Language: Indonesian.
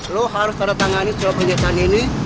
lu harus tanda tangan selama penyakit ini